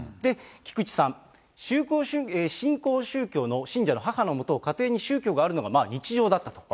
菊池さん、新興宗教の信者の母のもと、家庭に宗教があるのが日常だったと。